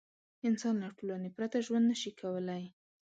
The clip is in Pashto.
انسان له ټولنې پرته ژوند نه شي کولی.